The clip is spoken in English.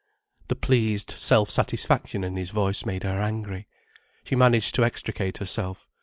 The pleased self satisfaction in his voice made her angry. She managed to extricate herself.